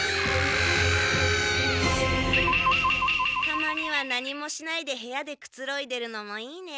たまには何もしないで部屋でくつろいでるのもいいね。